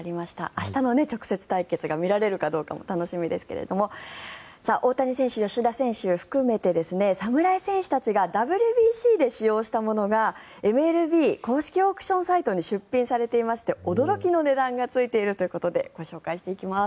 明日の直接対決が見られるかどうかも楽しみですけども大谷選手、吉田選手含めて侍戦士たちがＷＢＣで使用したものがＭＬＢ公式オークションサイトに出品されていまして驚きの値段がついているということでご紹介していきます。